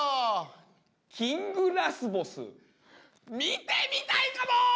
キングラスボス、見てみたいかも！